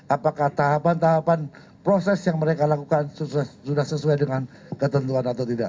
apakah tahapan tahapan proses yang mereka lakukan sudah sesuai dengan ketentuan atau tidak